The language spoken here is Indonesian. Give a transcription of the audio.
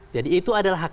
jadi itu adalah hak